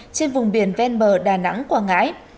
trên vùng biển ven bờ đà nẵng quảng ngãi